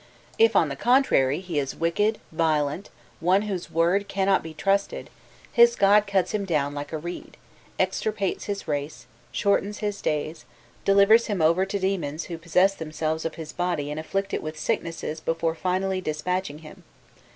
If, on the contrary, he is wicked, violent, one whose word cannot be trusted, "his god cuts him down like a reed," extirpates his race, shortens his days, delivers him over to demons who possess themselves of his body and afflict it with sicknesses before finally despatching him.